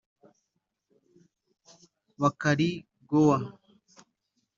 Bakari Gowa